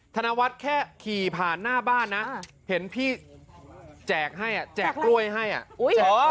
ธนวัฒน์แค่ขี่ผ่านหน้าบ้านนะเห็นพี่แจกให้อ่ะแจกกล้วยให้อ่ะ